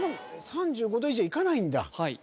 ３５度以上いかないんだは